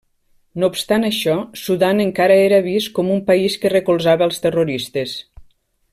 No obstant això, Sudan encara era vist com un país que recolzava als terroristes.